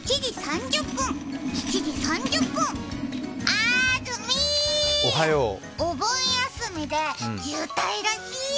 あずみー、お盆休みで渋滞らしいよ。